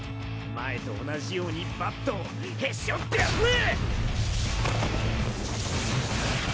前と同じようにバットをへし折ってやるぜ」